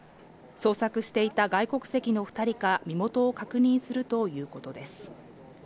捜索していた外国籍の２人か身元を確認するということです。